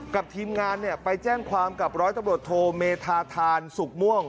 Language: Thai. ทีมงานไปแจ้งความกับร้อยตำรวจโทเมธาธานสุขม่วง